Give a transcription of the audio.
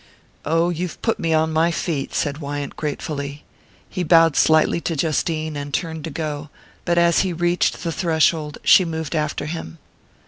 "Oh, you've put me on my feet," said Wyant gratefully. He bowed slightly to Justine and turned to go; but as he reached the threshold she moved after him.